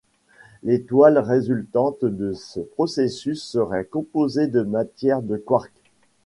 L'étoile résultante de ce processus serait composée de matière de quark.